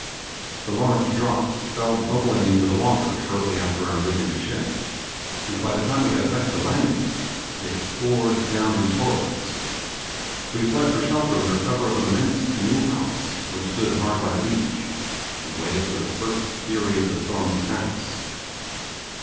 The large drops fell bubbling into the water shortly after our leaving the ship, and by the time we had affected a landing it poured down in torrents. We fled for shelter under cover of an immense canoe house which stood hard by the beach, and waited for the first fury of the storm to pass.